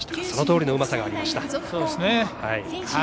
そのとおりのうまさがありました。